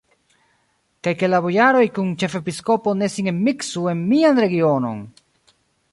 Kaj ke la bojaroj kun ĉefepiskopo ne sin enmiksu en mian regionon!